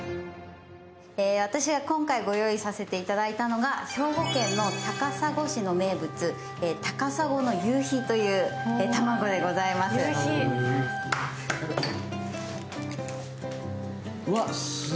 私が今回ご用意させていただいたのが兵庫県高砂の名物、高砂の夕日という卵でございます。